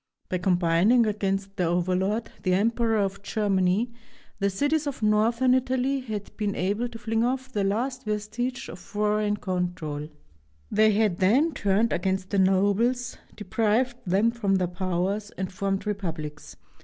By combining against their overlord, the Emperor of Germany, the cities of northern Italy had been able to fling off the last vestige of foreign control. They had then turned against the nobles, deprived them of their powers, and formed republics.